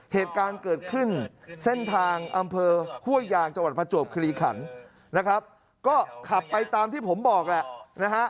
เหตุการณ์เกิดขึ้นเส้นทางอำเภอห้วยยางจังหวัดประจวบคลีขันนะครับก็ขับไปตามที่ผมบอกแหละนะฮะ